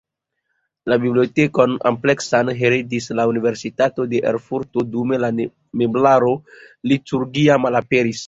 La bibliotekon ampleksan heredis la Universitato de Erfurto, dume la meblaro liturgia malaperis.